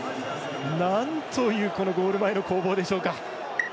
なんというゴール前の攻防でしょうか。